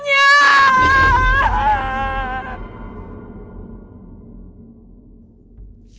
kenapa ada hantu disini